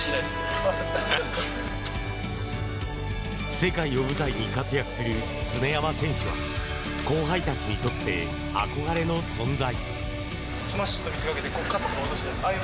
世界を舞台に活躍する常山選手は後輩たちにとって憧れの存在。